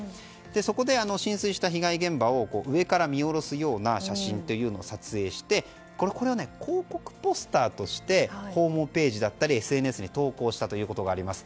そこで、浸水した被害現場を上から見下ろすような写真を撮影して広告ポスターとしてホームページだったりＳＮＳに投稿したということがあります。